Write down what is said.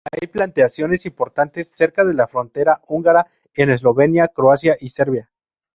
Hay plantaciones importantes cerca de la frontera húngara en Eslovenia, Croacia y Serbia.